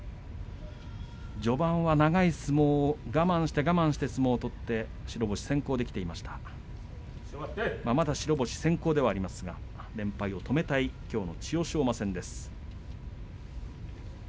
序盤は長い相撲を我慢して我慢して相撲を取って白星先行できていましたがまた白星先行ではありますが連敗を止めたいきょうの千代翔馬戦です。